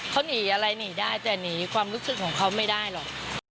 เขาหนีอะไรหนีได้แต่หนีความรู้สึกของเขาไม่ได้หรอก